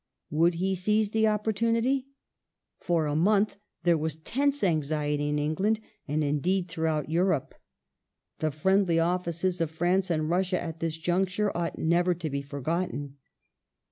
Would he seize the opportunity ? For a month there was tense anxiety in England and indeed throughout Europe. The friendly offices of France and Russia at this juncture ought never to be forgotten.